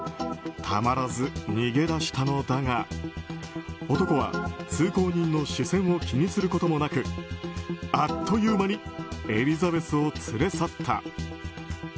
たまらず逃げ出したのだが男は通行人の視線を気にすることもなくあっという間にエリザベスを連れ去った。